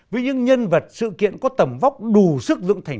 với những nhân vật sự kiện có tầm vóc đủ sức dựng thành